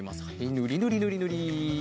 ぬりぬりぬりぬり。